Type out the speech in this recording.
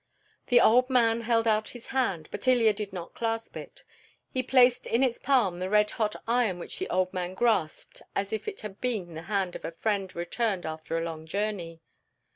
The old man held out his hand, but Ilya did not clasp it. He placed in its palm the red hot iron which the old man grasped as if it had been the hand of a friend returned after a long journey.